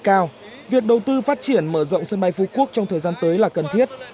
cao việc đầu tư phát triển mở rộng sân bay phú quốc trong thời gian tới là cần thiết